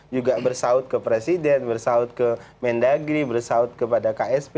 juga bersaut ke presiden bersaut ke mendagri bersaut kepada ksp